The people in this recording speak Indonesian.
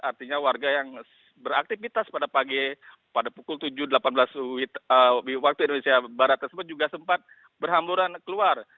artinya warga yang beraktivitas pada pagi pada pukul tujuh delapan belas waktu indonesia barat tersebut juga sempat berhamburan keluar